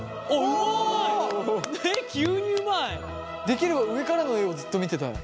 できれば上からの画をずっと見てたい。